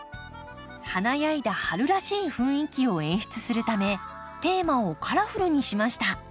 華やいだ春らしい雰囲気を演出するためテーマを「カラフル」にしました。